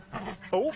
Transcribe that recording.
おっ。